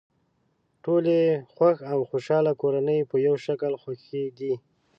ټولې خوښ او خوشحاله کورنۍ په یوه شکل خوښې دي.